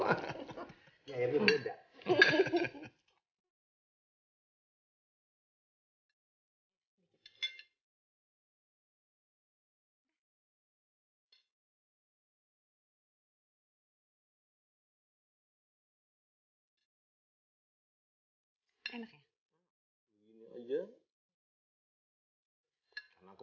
ayam kiki segitunya juga mau